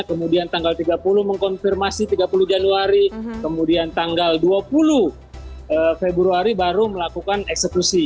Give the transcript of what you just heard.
kemudian tanggal tiga puluh mengkonfirmasi tiga puluh januari kemudian tanggal dua puluh februari baru melakukan eksekusi